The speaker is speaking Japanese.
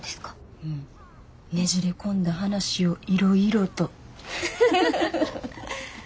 ねじれ込んだ話をいろいろと。